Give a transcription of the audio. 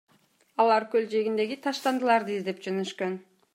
Алар көл жээгиндеги таштандыларды издеп жөнөшкөн.